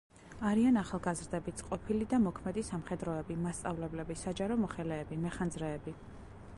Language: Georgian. არიან ახალგაზრდებიც, ყოფილი და მოქმედი სამხედროები, მასწავლებლები, საჯარო მოხელეები, მეხანძრეები.